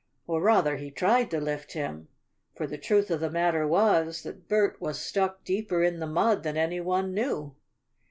Or rather, he tried to lift him, for the truth of the matter was that Bert was stuck deeper in the mud than any one knew.